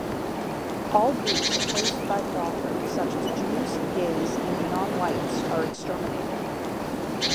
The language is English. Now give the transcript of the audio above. All groups opposed by the author, such as Jews, gays, and non-whites, are exterminated.